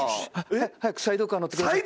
早くサイドカー乗ってください。